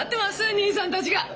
兄さんたちが。